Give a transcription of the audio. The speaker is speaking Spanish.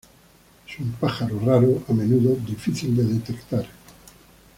Es un pájaro raro a menudo difícil de detectar.